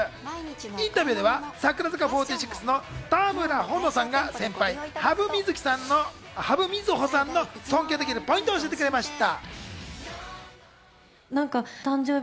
インタビューでは櫻坂４６の田村保乃さんが先輩・土生瑞穂さんの尊敬できるポイントを教えてくれました。